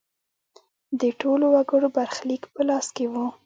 د ټولو وګړو برخلیک په لاس کې و.